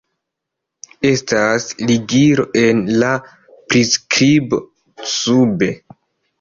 Estas ligilo en la priskribo sube